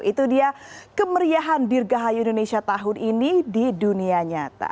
itu dia kemeriahan dirgahayu indonesia tahun ini di dunia nyata